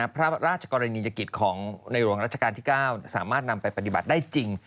พระราชกรณียกิจของในหลวงราชการที่๙สามารถนำไปปฏิบัติได้จริง